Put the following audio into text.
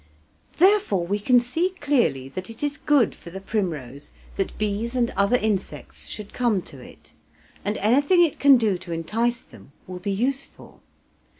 Therefore, we can see clearly that it is good for the primrose that bees and other insects should come to it, and anything it can do to entice them will be useful.